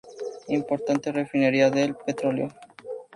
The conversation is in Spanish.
Importante refinería de petróleo.